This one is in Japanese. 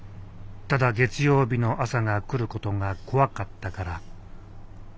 ただ月曜日の朝が来ることが怖かったから。